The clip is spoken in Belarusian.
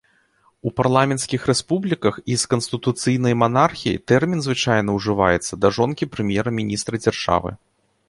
У парламенцкіх рэспубліках і з канстытуцыйнай манархіяй тэрмін звычайна ўжываецца да жонкі прэм'ер-міністра дзяржавы.